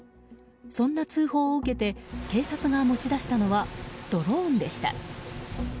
そんな通報を受けて警察が持ち出したのはドローンでした。